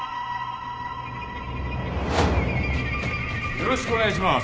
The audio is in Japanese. よろしくお願いします。